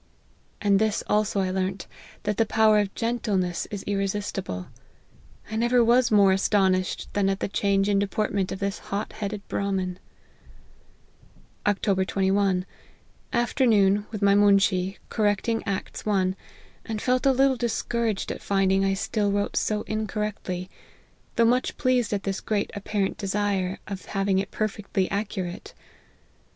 And this also I learnt, that the power of gentleness is irresistible. I never was more aston ished than at the change in deportment of this hot headed Brahmin." " Oct. 21. Afternoon, with my moonshee, cor recting Acts i., and felt a little discouraged at finding I still wrote so incorrectly, though much pleased at this great apparent desire of having it perfectly accurate.